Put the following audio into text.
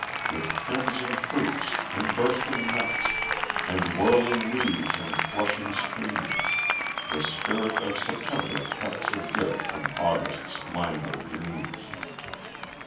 With crimson fruits and bursting nuts, And whirling leaves and flushing streams, The spirit of September cuts Adrift from August's languid dreams.